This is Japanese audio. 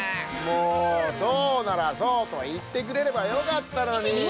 もうそうならそうといってくれればよかったのに！